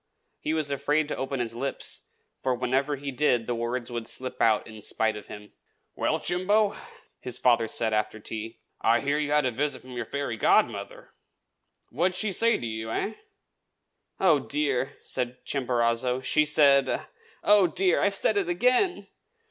he was afraid to open his lips, for whenever he did the words would slip out in spite of him. "Well, Chimbo," said his father after tea, "I hear you have had a visit from your fairy godmother. What did she say to you, eh?" "Oh, dear!" said Chimborazo, "she said oh, dear! I've said it again!"